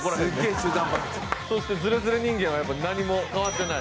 そしてズレズレ人間は何も変わってない。